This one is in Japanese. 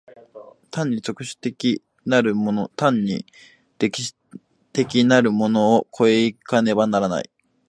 単に特殊的なるもの単に歴史的なるものを越え行かねばならない。